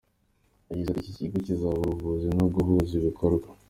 Yagize ati “Iki kigo, kizakora ubuvugizi no guhuza ibikorwa.